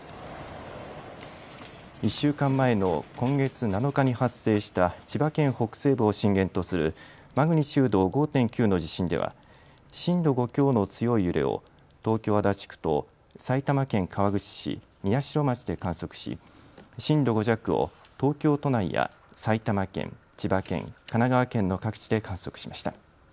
１週間前の今月７日に発生した千葉県北西部を震源とするマグニチュード５．９の地震では震度５強の強い揺れを東京足立区と埼玉県川口市、宮代町で観測し震度５弱を東京都内や埼玉県、千葉県、神奈川県の各地で観測しました。